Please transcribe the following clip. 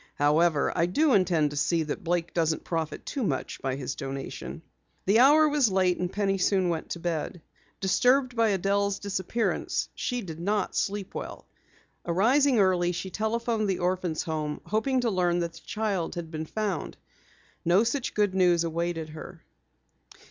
"However, I do intend to see that Blake doesn't profit too much by his donation." The hour was late and Penny soon went to bed. Disturbed by Adelle's disappearance, she did not sleep well. Arising early, she telephoned the Orphans' Home, hoping to learn that the child had been found. No such good news awaited her.